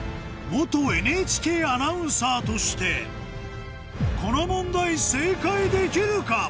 元ＮＨＫアナウンサーとしてこの問題正解できるか？